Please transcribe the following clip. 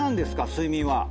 睡眠は。